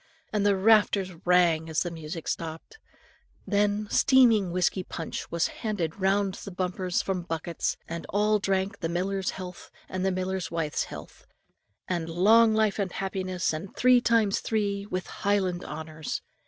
and the rafters rang as the music stopped. Then steaming whiskey punch was handed round in bumpers from buckets, and all drank the miller's health, and the miller's wife's health, and long life and happiness, and three times three, with Highland honours.